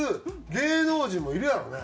芸能人もいるやろね。